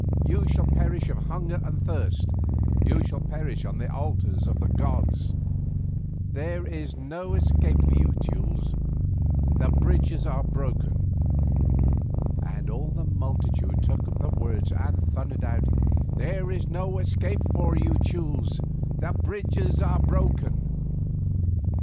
You shall perish of hunger and thirst, you shall perish on the altars of the gods. There is no escape for you Teules; the bridges are broken." And all the multitude took up the words and thundered out, "There is no escape for you Teules; the bridges are broken!"